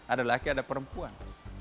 ada laki ada perempuan